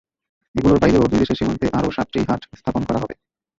এগুলোর বাইরেও দুই দেশের সীমান্তে আরও সাতটি হাট স্থাপন করা হবে।